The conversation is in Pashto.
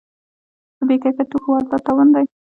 د بې کیفیت توکو واردات تاوان دی.